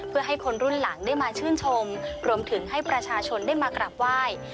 เพื่อให้คนรุ่นหลังได้มาชื่นชมรวมถึงให้ประชาชนได้มากราบไหว้